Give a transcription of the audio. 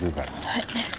はい。